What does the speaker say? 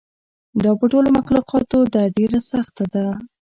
دا په ټولو مخلوقاتو ده ډېره سخته ده.